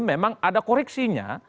memang ada koreksinya